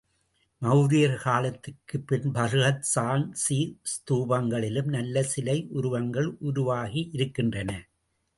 மௌரியர்கள் காலத்திற்குப் பின் பர்ஹுத் சாந்சி ஸ்தூபங்களிலும் நல்ல சிலை உருவங்கள் உருவாகியிருக்கின்றன.